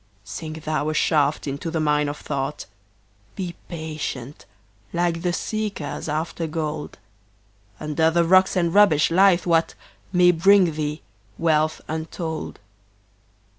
Sink thou a shaft into the mine of thought; Be patient, like the seekers after gold; Under the rocks and rubbish lieth what May bring thee wealth untold.